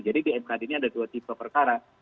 di mkd ini ada dua tipe perkara